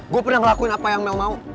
gue pernah ngelakuin apa yang mel mau